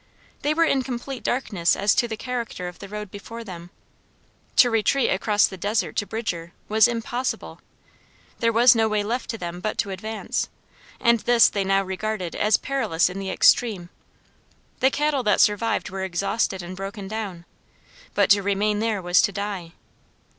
They were in complete darkness as to the character of the road before them. To retreat across the desert to Bridger, was impossible. There was no way left to them but to advance; and this they now regarded as perilous in the extreme. The cattle that survived were exhausted and broken down; but to remain there was to die.